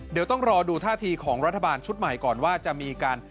เดี๋ยวต้องรอดูท่าทีของรัฐบาลชุดใหม่ก่อนว่าจะมีการ